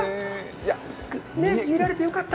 見られてよかった。